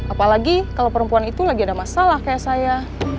apalagi kalau perempuan itu lagi ada masalah kayak saya